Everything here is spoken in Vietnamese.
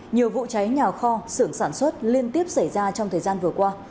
nhiều vụ cháy nhà kho xưởng sản xuất liên tiếp xảy ra trong thời gian vừa qua